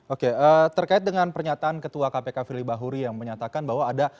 oke terkait dengan pernyataan ketua kpk fili bahuri yang menyatakan bahwa ada